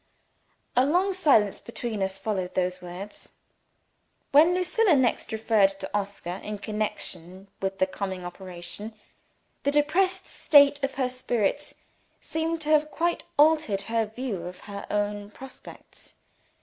A long silence between us followed those words. When Lucilla next referred to Oscar in connection with the coming operation, the depressed state of her spirits seemed to have quite altered her view of her own prospects.